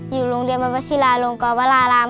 อยู่โรงเรียนบรรวัชิลาลงกรวราราม